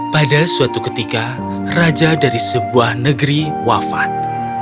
pada suatu ketika raja dari sebuah negeri wafat